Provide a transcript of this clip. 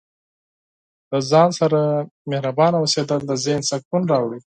د ځان سره مهربانه اوسیدل د ذهن سکون راوړي.